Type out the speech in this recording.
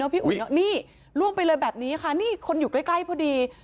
พี่อุ๋ยนี่ล่วงไปเลยแบบนี้ค่ะนี่คนอยู่ใกล้พอดี